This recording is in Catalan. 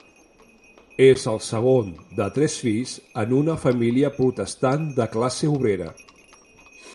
És el segon de tres fills en una família protestant de classe obrera.